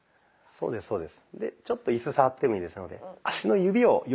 そうですそうです。